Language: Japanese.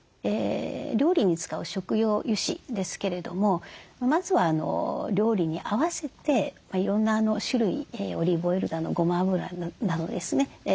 料理に使う食用油脂ですけれどもまずは料理に合わせていろんな種類オリーブオイルだのごま油などですね